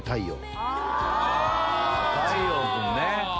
太陽君ね。